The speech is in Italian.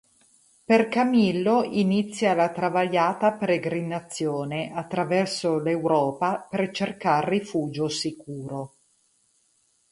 Per Camillo inizia la travagliata peregrinazione attraverso l'Europa per cercar rifugio sicuro.